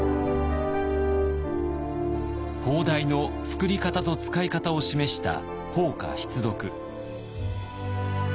砲台の作り方と使い方を示した「砲家必読」。